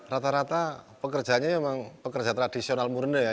rata rata pekerjanya memang pekerja tradisional murni ya